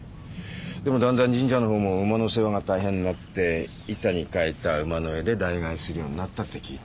でもだんだん神社の方も馬の世話が大変になって板に描いた馬の絵で代替えするようになったって聞いた。